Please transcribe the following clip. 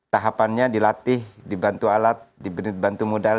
tahapannya dilatih dibantu alat dibantu modal